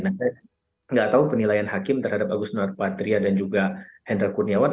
saya tidak tahu penilaian hakim terhadap agus nur patria dan juga hendra kuniawan